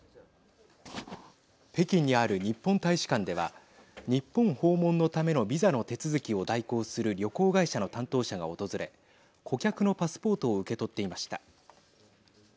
北京にある日本大使館では日本訪問のためのビザの手続きを代行する旅行会社の担当者が訪れ顧客のパスポートを受け取っていました。